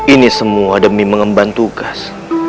ini semua demi mengemban tugas